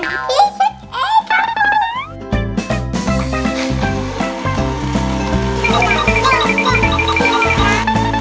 สนุกจำนืนะคะ